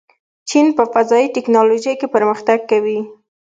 چین په فضايي تکنالوژۍ کې پرمختګ کوي.